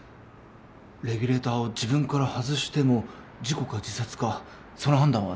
レギュレーターを自分から外しても事故か自殺かその判断はつけられないはずです。